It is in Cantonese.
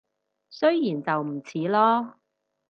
雖然就唔似囉